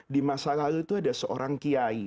di masa lalu itu ada seorang kiai